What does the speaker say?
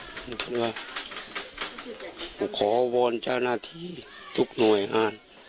ผมคิดว่ากูขอวอนเจ้าหน้าที่ทุกหน่วยงาน